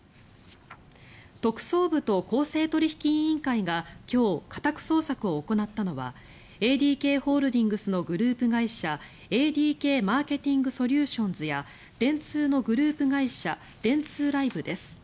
特捜部と公正取引委員会が今日、家宅捜索を行ったのはＡＤＫホールディングスのグループ会社ＡＤＫマーケティング・ソリューションズや電通のグループ会社電通ライブです。